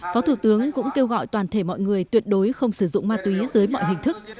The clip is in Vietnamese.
phó thủ tướng cũng kêu gọi toàn thể mọi người tuyệt đối không sử dụng ma túy dưới mọi hình thức